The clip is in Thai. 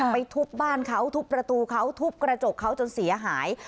ทุบบ้านเขาทุบประตูเขาทุบกระจกเขาจนเสียหาย